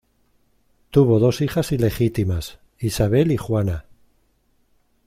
Tuvo dos hijas ilegítimas: Isabel y Juana.